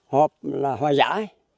hoặc là hòa giải